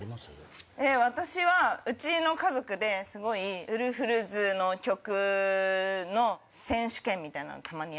私はうちの家族ですごいウルフルズの曲の選手権みたいなのたまにやるんですよ。